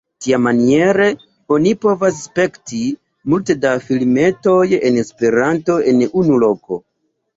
Tiamaniere oni povas spekti multe da filmetoj en Esperanto en unu loko.